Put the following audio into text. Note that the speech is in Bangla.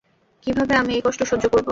কীভাবে আমি এই কষ্ট সহ্য করব?